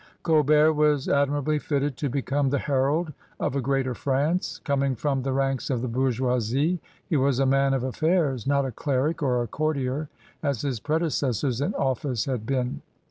Colbert was admirably fitted to become the herald of a greater France. Coming from the ranks of the bourgeoisiey he was a man of affairs, not a cleric or a courtier as his predecessors in office had been.